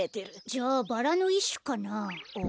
じゃバラのいっしゅかな。